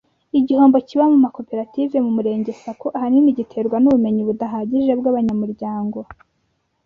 igihombo kiba mu makoperative mu Murenge Sacco ahanini giterwa n’ubumenyi budahagije bw’abanyamuryango